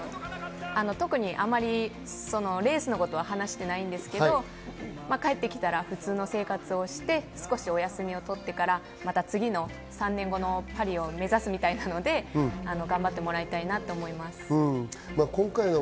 特にレースのことは話してないんですけど、帰って来たら普通の生活をして、少しお休みをして、３年後のパリを目指すということなので、頑張ってもらいたいなと思います。